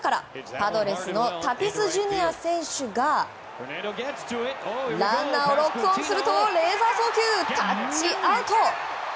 パドレスのタティス・ジュニア選手がランナーをロックオンするとレーザー送球、タッチアウト。